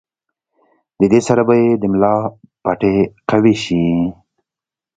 د دې سره به ئې د ملا پټې قوي شي